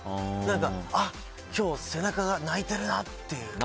あ、今日背中が泣いてるなっていう。